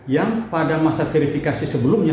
yang pada masa verifikasi sebelumnya